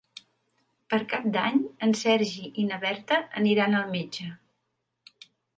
Per Cap d'Any en Sergi i na Berta aniran al metge.